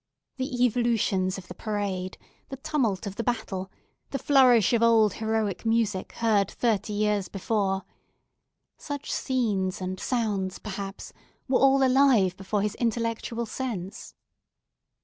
The evolutions of the parade; the tumult of the battle; the flourish of old heroic music, heard thirty years before—such scenes and sounds, perhaps, were all alive before his intellectual sense.